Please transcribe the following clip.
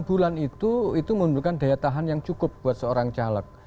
delapan bulan itu memerlukan daya tahan yang cukup buat seorang caleg